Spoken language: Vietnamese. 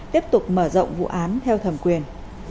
tiếp tục mở rộng vụ án theo thẩm quyền